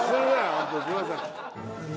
ホントにすいません